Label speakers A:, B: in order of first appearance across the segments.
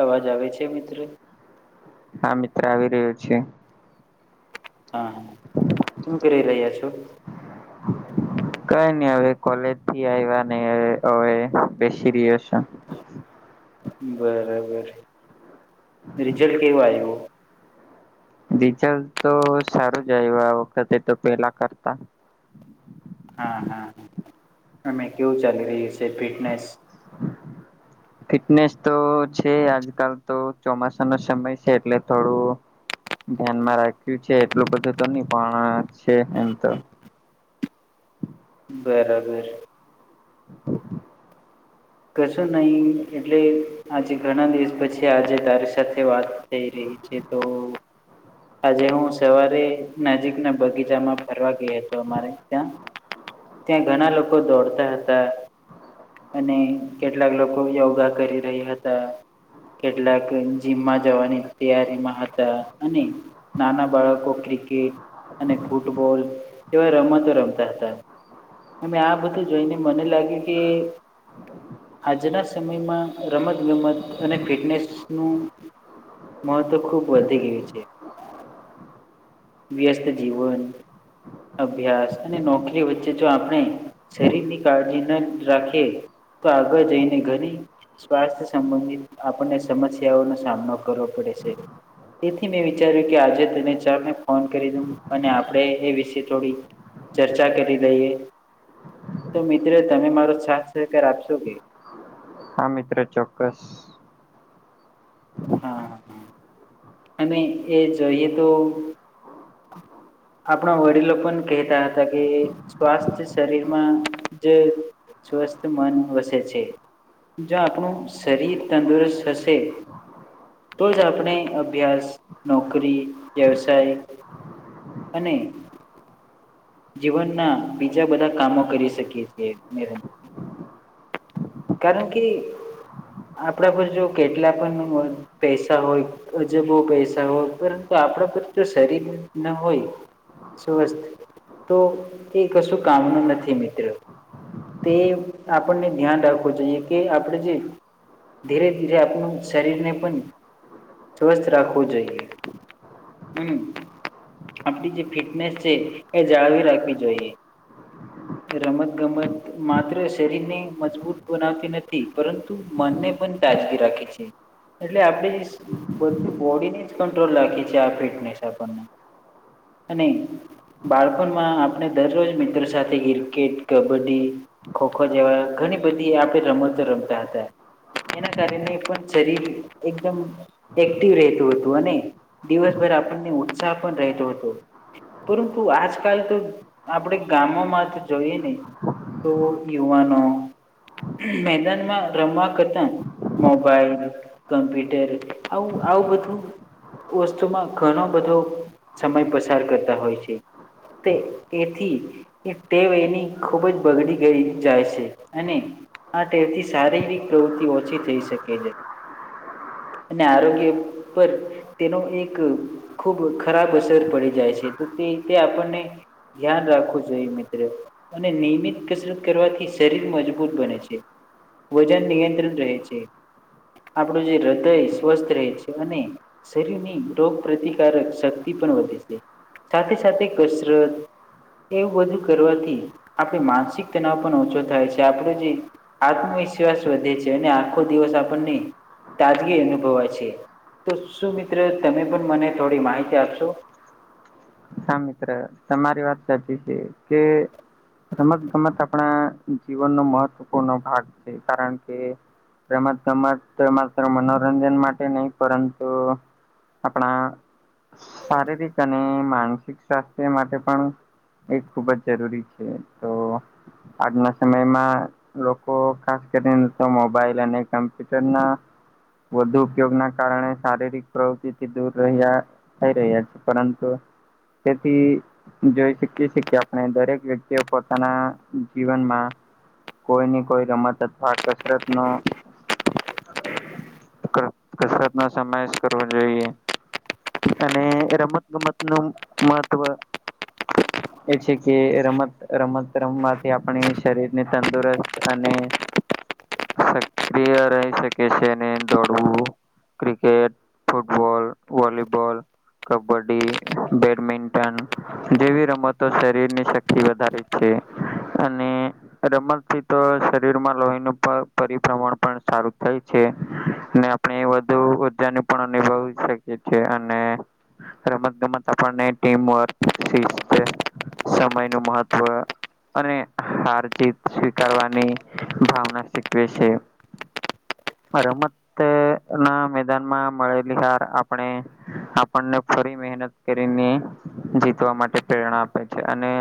A: અવાજ આવે છે મિત્ર?
B: હા મિત્ર. આવી રહ્યો છે.
A: હા, શું કરી રહ્યા છો?
B: કઈ નઈ હવે કોલેજથી આયવા ને હવે બેસી રહ્યો છું.
A: બરાબર, રિઝલ્ટ કેવું આવ્યું?
B: રિઝલ્ટ તો સારું જ આવ્યું આ વખતે તો પેલા કરતા
A: હા હા અમે કેવું ચાલી રહ્યું છે ફિટનેસ?
B: ફિટનેસ તો છે આજકાલ તો ચોમાસાનો સમય છે એટલે થોડું ધ્યાનમાં રાખ્યું છે એટલું બધું તો નહી પણ છે એમ તો
A: બરાબર.
B: [unintelligible]
A: કશું નહીં એટલે આજે ઘણા દિવસ પછી આજે તારી સાથે વાત થઈ રહી છે તો આજે હું સવારે નજીકના બગીચામાં ફરવા ગયો હતો અમારે ત્યાં ત્યાં ઘણા લોકો દોડતા હતા, અને કેટલાક લોકો યોગા કરી રહી હતા. કેટલાક જીમમાં જવાની તૈયારીમાં હતા અને નાના બાળકો ક્રિકેટ અને ફૂટબોલ એવા રમતો રમતા હતા. અને આ બધું જોઈને મને લાગ્યું કે આજના સમયમાં રમત-ગમત અને ફિટનેસનું મહત્વ ખુબ વધી ગયું છે. વ્યસ્ત જીવન, અભ્યાસ અને નોકરી વચ્ચે જો આપણે શરીરની કાળજી ન રાખીએ તો આગળ જઈને ઘણી સ્વાસ્થ્ય સંબંધિત આપણને સમસ્યાઓનો સામનો કરવો પડે છે. તેથી મેં વિચાર્યું કે આજે તને ચાલને ફોન કરી દઉ અને આપણેે એ વિશે થોડી ચર્ચા કરી લઈએ. તો મિત્રો તમે મારો સાથ સહકાર આપશો કે?
B: હા, મિત્ર ચોક્કસ.
A: હા હા, અને એ જોઈએ તો આપણા વડીલો પણ કહેતા હતા કે સ્વાસ્થ્ય શરીરમાં જ સ્વસ્થ મન વસે છે. જો આપણું શરીર તંદુરસ્ત હશે તો જ આપણે અભ્યાસ, નોકરી, વ્યવસાય અને જીવનના બીજા બધા કામો કરી શકીએ છીએ [unintelligible] કારણ કે આપણા પર જો કેટલા પણ [unintelligible] પૈસા હોય અજબો પૈસા હોય પરંતુ આપણા પર તો શરીર ના હોય સ્વસ્થ તો એ કશું કામનું નથી મિત્ર તે આપણને ધ્યાન રાખવું જોઈએ કે આપણે જે ધીરે ધીરે આપણું શરીરને પણ સ્વસ્થ રાખવું જોઈએ. હમ્મ. આપડી જે ફિટનેસ છે એ જાળવી રાખવી જોઈએ. રમત-ગમત માત્ર શરીર ને મજબૂત બનાવતી નથી પરં તું મનને પણ તાજગી રાખે છે. એટલે આપડી બધી બોડી ને જ કંટ્રોલ રાખી છે આ ફિટનેસ આપણને અને બાળપણમાં આપણે દરરોજ મિત્રો સાથે ક્રિકેટ, કબડ્ડી, ખો-ખો જેવા ઘણી બધી આપે રમતો રમતા હતા. એના કારણે પણ શરીર એકદમ એક્ટિવ રહેતું હતું, અને દિવસભર આપણને ઉત્સાહ પણ રહેતો હતો તો આજકાલ તો આપડે ગામોમાં તો જોઈએ નહિ તો યુવાનો મેદાનમાં રમવા કરતા મોબાઈલ, કમ્પ્યુટર આવું આવું બધું વસ્તુમાં ઘણો બધો સમય પસાર કરતા હોય છે તે એથી ટેવ એની ખૂબ જ બગડી ગઈ જાય છે, અને હા ટેવથી શારીરિક પ્રવૃત્તિ ઓછી થઈ શકે છે અને આરોગ્ય પર તેનો એક ખૂબ ખરાબ અસર પડી જાય છે, તો તે રીતે આપણને ધ્યાન રાખવું જોઈએ મિત્ર અને નિયમિત કસરત કરવાથી શરીર મજબૂત બને છે. વજન નિયંત્રિત રહે છે, આપણું જે હૃદય સ્વસ્થ રહે છે, અને શરીરની રોગ પ્રતિકારક શક્તિ પણ વધે છે, સાથે છતી કસરત એવું બધું કરવાથી આપણે માનસિક તનાઉ ભી ઓછો થાય છે, આપણો જે આત્મવિશ્વાસ વધે છે, અને આખો દિવસ આપણને તાજગી અનુભવાય છે. તો શું મિત્ર તમે પણ મને થોડી માહિતી આપશો?
B: હા મિત્ર તમારી વાત સાચી છે કે રમત ગમત આપણા જીવનનો મહત્વપૂર્ણ ભાગ છે, કારણ કે એમાં તમાર તો માત્ર મનોરંજન માટે નહી પરંતુ આપણા શારીરિક અને માનસિક વી સ્વાસ્થ્ય માટે પણ એ ખૂબ જ જરૂરી છે તો આજના સમયમાં લોકો ખાસ કરીને તો મોબાઈલ અને કમ્પ્યુટર ના વધુ ઉપયોગના કારણે શારીરિક પ્રવૃતિથી દૂર રહ્યા થઈ રહ્યા પરંતુ તેથી જોઈ શકીએ છે કે આપણે દરેક વ્યક્તિએ પોતાના જીવનમાં કોઈ ને કોઈ રમત અથવા કસરતનો ક કસરતનો સમાવેસ કરવો જોઈએ. અને રમત ગમત નું મહત્વ
A: [inaudible]
B: એ છે કે રમત રમત રમવાથી આપણે શરીર ને તંદુરસ્ત અને
A: [inaudible]
B: સક્રિય રહી શકે છે, અને દોડવું cricket, football, volleyball, kabaddi. Badminton, જેવી રમતો શરીરની શક્તિ વધારે છે, અને રમતથી તો શરીરમાં લોહીનું પ પરિભ્રમણ પણ સારું થઇ છે, ને મેં વધુ ઉર્જાની પણ અનુભવી શકી છે, અને રમત ગમત આપણને ટીમ વર્ક, સીસ્થ, સમયનું મહત્વ. અને હાર જીત સ્વીકારવાની ભાવના શીખવે છે. રમતના મેદાનમાં મળેલી હાર આપણે આપણને ફરી મેહનત કરીને જીતવા માટે પ્રેરણા આપે છે. અને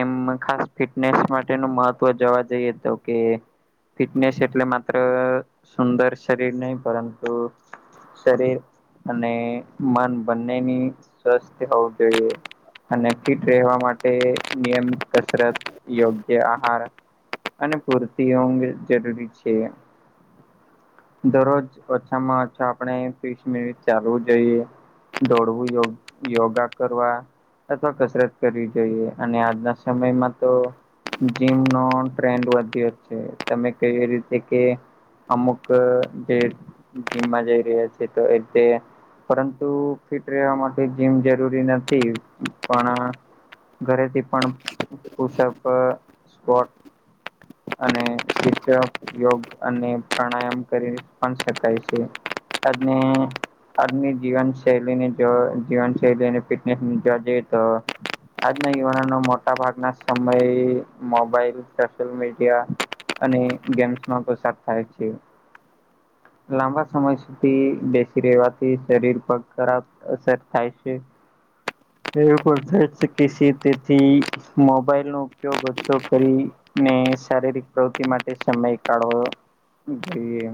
B: એમ ખાસ ફિટનેસ માટેનું મહત્વ જોવા જઈએ તો કે ફિટનેસ એટલે માત્ર સુંદર શરીર નહીં પરંતુ શરીર અને મન બંનેની સ્વસ્થ હોવું જોઈએ. અને ફિટ રેહવા માટે નિયમિત કસરત યોગ્ય આહાર અને પૂરતી ઊંઘ જરૂરી છે. દરોજ ઓછામાં ઓછા આપણે ત્રીશ મિનીટ ચાલવું જોઈએ‌. દોડવું યોગ યોગા કરવા અથવા કસરત કરવી જોઈએ. અને આજના સમયમાં તો જીમનો ટ્રેન્ડ વધ્યો જ છે તમે [unintelligible] રીતે કે અમુક જે જીમમાં જઈ રહ્યા છે તો એ તે પરંતુ ફિટ રેવા માટે જીમ જરૂરી નથી પણ ઘરેથી પણ પુશઅપ સ્કોટ અને [unintelligible] યોગ અને પ્રાણાયામ કરી પણ શકાય છે. આજની આજની જીવનશૈલીને જો જીવનશૈલી અને ફિટનેસ ને જોવા જઈએ તો આજનાં યુવાનોનો મોટા ભાગનાં સમયે મોબાઈલ સોશિયલ મીડ ડીયા અને ગેમ્સમાં પસાર થાય છે. લાંબા સમય સુધી બેસી રેહવાથી શરીર પર ખરાબ અસર થાય છે. એવુ પણ થાય છે કે [unintelligible] તેથી મોબાઈલનો ઉપયોગ ઓછો કરી ને શારીરિક પ્રવૃત્તિ માટે સમય કાઢવો જોઈએ.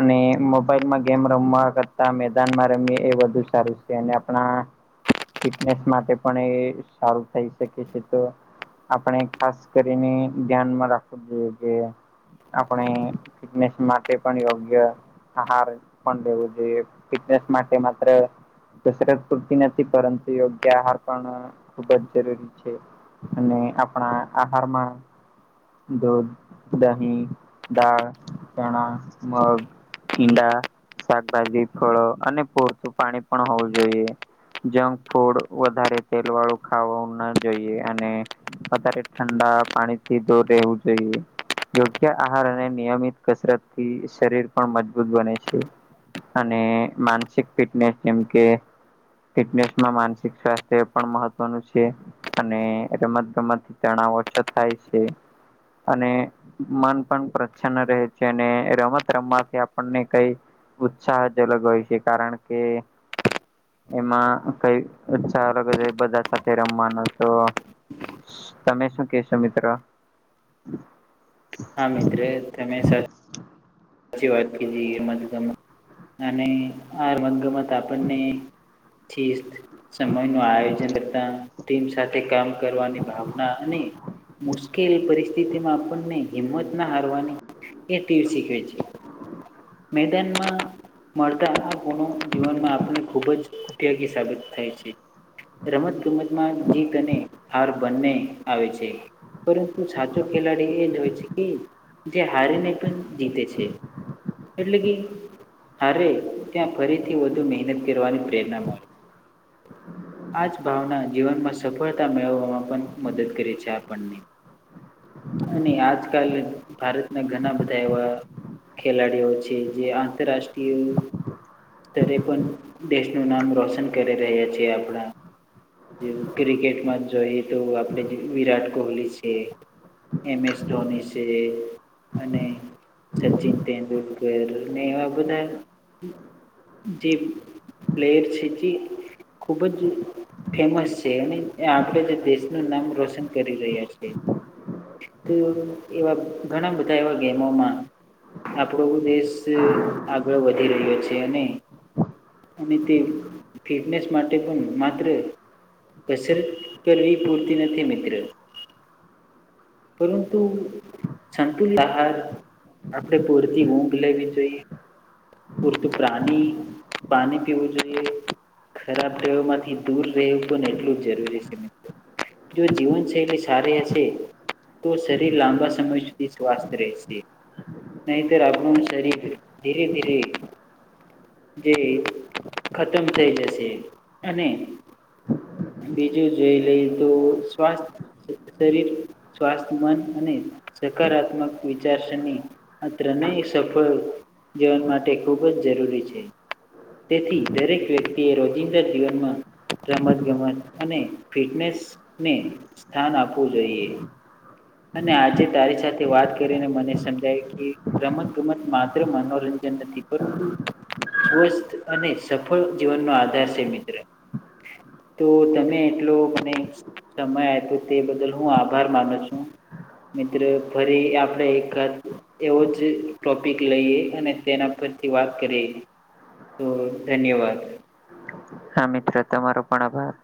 B: અને મોબાઈલમાં ગેમ રમવા કરતાં મેદાનમાં રમીએ એ વધુ સારું સે ને આપણાં ફિટનેસ માટે પણ એ સારું થઈ શકે છે તો આપણે ખાસ કરીને ધ્યાનમાં રાખવું [unintelligible] જોઈએ આપણે ફિટનેસ માટે પણ યોગ્ય આહાર પણ લેવો જોયે ફિટનસ માટે માત્ર કસરત પૂરતી ન થી પરંતુ યોગ્ય આહાર પણ ખુબ જ જરૂરી છે. અને આપણાં આહારમાં દૂધ, દહીં, દાળ, ચણા, મગ ઈંડા, શાકભાજી, ફળો અને પૂરતું પાણી પણ હોવું જોઈએ. જંકફૂડ વધારે તેલ વાળું ખાવુ ન જોઈએ અને વધારે ઠંડા પાણી થી દૂર રહેવું જોઈએ. યોગ્ય આહાર અને નિયમિત કસરત થી શરીર પણ મજબૂત બને છે. અને માનસિક ફિટનેસ જેમ કે ફિટનેસ માં માનસિક સ્વાસ્થ્ય એ પણ મહત્વનું છે. અને રમત-ગમત થી તણાવ ઓછો થાય છે અને મન પણ પ્રસન્ન રહે છે અને રમત રમવાથી આપણને કઈ ઉત્સાહ જ અલગ હોય છે કારણ કે એમાં કંઈ [unintelligible] બધા સાથે રમવાનું તો તમે શું કેશો મિત્ર?
A: હા મિત્ર તમે સા સાચી વાત કીધી [unintelligible] અને આ રમતગમત આપણને [unintelligible] સમય નું આયોજન કરતા ટીમ સાથે કામ કરવાની ભાવના અને મુશ્કેલ પરિસ્થિતિ માં આપણને હિંમત ના હારવાની એ તે શીખવે છે. મેદાનમાં મળતા આ ગુનો જીવનમાં આપને ખૂબ જ ઉપયોગી સાબિત થાય છે. રમત-ગમતમાં જીત અને હાર બંને આવે છે. પરંતુ સાચો ખેલાડી એ જ હોય છે, કે જે હારીને પણ જીતે છે. તે. એટલે કે હારે ત્યાં ફરીથી વધુ મહેનત કરવાની પ્રેરણા મળે. આ જ ભાવના જીવનમાં સફળતા મેળવવામાં પણ મદદ કરે છે આપણને. અને આજકાલ ભારતના ઘણા બધા એવા ખેલાડીઓ છે, જે આંતરરાષ્ટ્રીય સ્તરે પણ દેશનું નામ રોશન કરી રહ્યા છે. આપણા જે ક્રિકેટમાં જ જોઈએ તો આપણે જે વિરાટ કોહલી છે. એમ એસ ધોની છે, અને સચિન તેંડુલકર. ને એવા બધા જે પ્લેયર છે, જે ખુબ જ ફેમસ છે. અને આપણે જે દેશનું નામ રોશન કરી રહ્યા છે. તો એવ એવા ઘણા બધા એવા ગેમોમાં આપણો દેશ આગળ વધી રહ્યો છે. અને અને તે ફિટનેસ માટે પણ માત્ર કસરત કરવી પૂરતી નથી મિત્ર. પરંતુ સંતુલિત આહાર આપણે પૂરતી ઊંઘ લેવી જોઈએ. પૂરતું પ્રાણી પાણી પીવું જોઈએ. ખરાબ ટેવમાંથી દૂર રહેવું પણ એટલું જ જરૂરી છે મિત્ર. જો જીવન શૈલી સારી હશે તો શરીર લાંબા સમય સુધી સ્વાસ્થ રહેશે. નહીંતર આપણું શરીર ધીરે-ધીરે જે ખતમ થઈ જશે. અને બીજું જોઈ લઈ તો સ્વાસ્થ્ શરીર, સ્વાસ્થ મન અને સકારાત્મક વિચારસરણી માત્ર નઈ સફળ જીવન માટે ખૂબ જ જરૂરી છે. તેથી દરેક વ્યક્તિ એ રોજિંદા જીવનમાં રમત-ગમત અને ફિટનેસ ને સ્થાન આપવું જોઈએ. અને આજે તારી સાથે વાત કરીને મને સમજાય કે રમત-ગમત માત્ર મનોરંજન નથી. પરંતુ સ્વસ્થ અને સફળ જીવનનો આધાર સે મિત્ર. તો તમે એટલો મને સમય આઈપું તે બદલ હું આભાર માનું છું. મિત્ર ફરી આપણે એકાદ એવો જ ટોપિક લઈએ. અને તેના પરથી વાત કરીએ. તો ધન્યવાદ.
B: હા મિત્ર તમારો પણ આભાર.